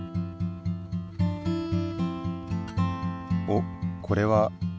おっこれは。